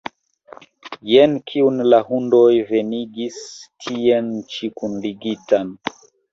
Jen kiun la hundoj venigis tien ĉi kunligitan!